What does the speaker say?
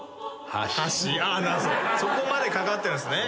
そこまでかかってるんすね。